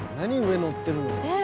上のってるの。